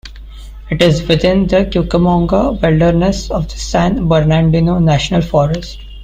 It is within the Cucamonga Wilderness of the San Bernardino National Forest.